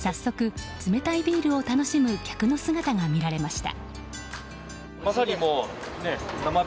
早速、冷たいビールを楽しむ客の姿が見られました。